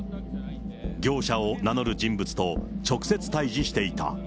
業者を名乗る人物と直接対じしていた。